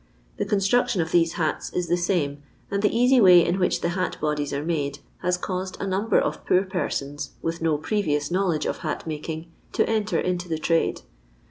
The construction of these hats is the same, and the cosy way in which the hat bodies are made, has caused a number of poor persons, with no previous knowledge of hat making, to enter into the trade.